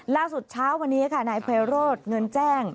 ล่าสุดเช้าวันนี้ค่ะนายเพราโรธเงินแจ้ง